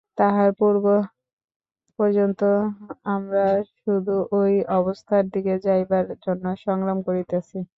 তাহার পূর্ব পর্যন্ত আমরা শুধু ঐ অবস্থার দিকে যাইবার জন্য সংগ্রাম করিতেছি।